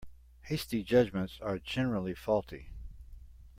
Hasty judgements are generally faulty.